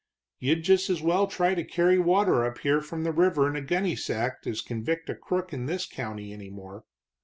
You'd just as well try to carry water up here from the river in a gunny sack as convict a crook in this county any more."